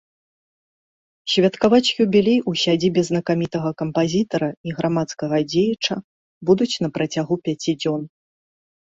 Святкаваць юбілей у сядзібе знакамітага кампазітара і грамадскага дзеяча будуць на працягу пяці дзён.